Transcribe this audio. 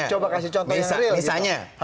coba kasih contoh yang real misalnya